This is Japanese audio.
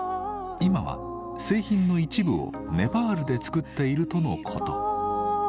今は製品の一部をネパールで作っているとのこと。